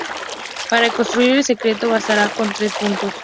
Para reconstruir el secreto bastará con tres puntos.